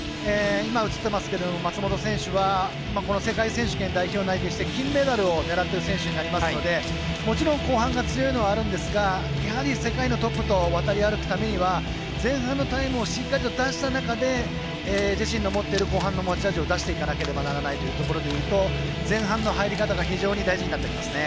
松元選手は世界選手権内定して金メダルを狙っている選手になりますのでもちろん後半が強いのはあるんですがやはり世界のトップと渡り歩くためには前半のタイムをしっかりと出した中で自身の持っている後半の持ち味を出していけなければいけないというところでいうと前半の入り方が非常に大事になってきますね。